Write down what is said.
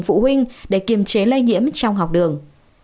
phụ huynh để kiềm chế lây nhiễm trong học đường